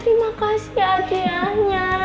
terima kasih hadiahnya